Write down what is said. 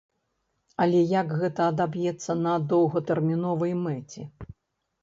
Але як гэта адаб'ецца на доўгатэрміновай мэце?